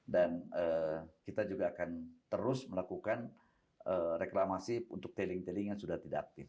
dan kita juga akan terus melakukan reklamasi untuk tailing tailing yang sudah tidak aktif